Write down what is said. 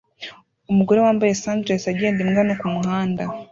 Umugore wambaye sundress agenda imbwa nto kumuhanda